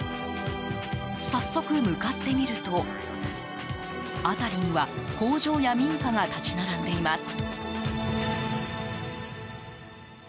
早速向かってみると辺りには工場や民家が立ち並んでいます。